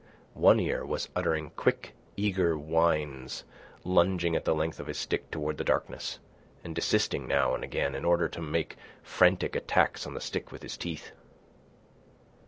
One Ear was uttering quick, eager whines, lunging at the length of his stick toward the darkness, and desisting now and again in order to make frantic attacks on the stick with his teeth.